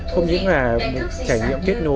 không những là một trải nghiệm kết nối